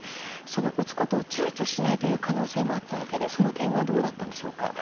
撃つことを躊躇しないという可能性もあったわけでその点はどうだったんでしょうか。